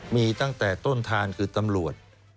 มีตั้งแต่ต้นทางคือตำรวจ